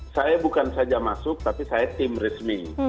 saya bukan saja masuk tapi saya tim resmi